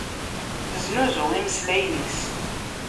Teznuzu imeslayen-is.